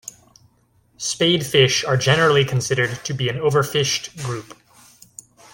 Spadefish are generally considered to be an overfished group.